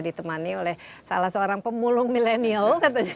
kita sudah ditemani oleh salah seorang pemulung milenial